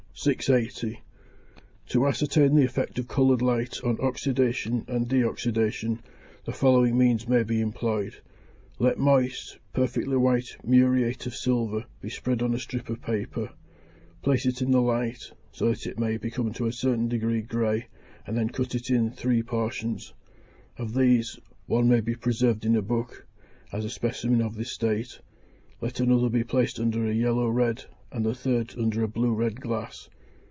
680. To ascertain the effect of coloured light on oxydation and de oxydation, the following means may be employed: Let moist, perfectly white muriate of silver be spread on a strip of paper; place it in the light, so that it may become to a certain degree grey, and then cut it in three portions. Of these, one may be preserved in a book, as a specimen of this state; let another be placed under a yellow red, and the third under a blue red glass.